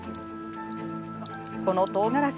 このとうがらし